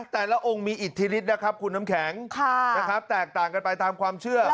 แต่ละองค์มีอิทธิฤทธินะครับคุณน้ำแข็งนะครับแตกต่างกันไปตามความเชื่อ